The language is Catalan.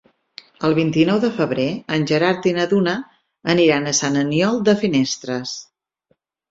El vint-i-nou de febrer en Gerard i na Duna aniran a Sant Aniol de Finestres.